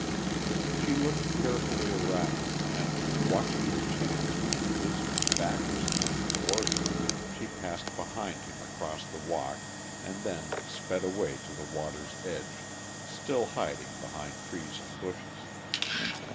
She looked carefully around, and, watching her chance when the policeman's back was turned towards her, she passed behind him across the walk, and then sped away to the water's edge, still hiding behind trees and bushes.